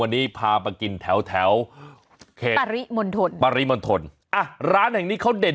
วันนี้พาไปกินแถวตาลิมนทลปาลิมนทลอ่ะร้านแห่งนี้เขาเด่น